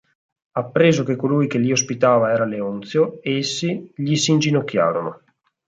Appreso che colui che li ospitava era Leonzio, essi gli s'inginocchiarono.